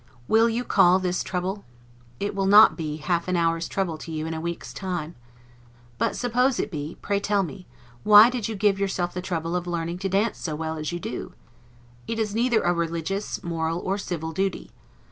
Will you call this trouble? It will not be half an hour's trouble to you in a week's time. But suppose it be, pray tell me, why did you give yourself the trouble of learning to dance so well as you do? It is neither a religious, moral, or civil duty.